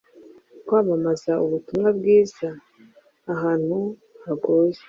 kwamamaza ubutumwa bwiza ahantu hagoye.